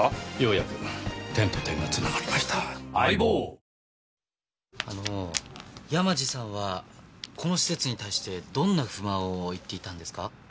カロカロおとなのカロリミットあの山路さんはこの施設に対してどんな不満を言っていたんですか？